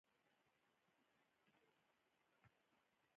په هند کې پر پېښو خبر نه یم.